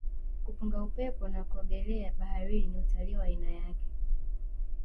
kupunga upepo na kuogelea baharini ni utalii wa aina yake